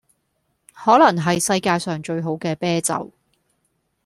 可能系世界上最好嘅啤酒